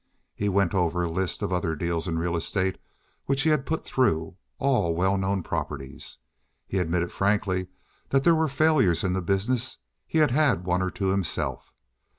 He went over a list of other deals in real estate which he had put through, all well known properties. He admitted frankly that there were failures in the business; he had had one or two himself.